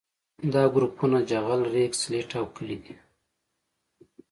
دا ګروپونه جغل ریګ سلټ او کلې دي